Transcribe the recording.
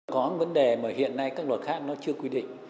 có vấn đề mà hiện nay các luật khác nó chưa quy định